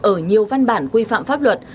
ở nhiều văn bản quy phạm pháp luật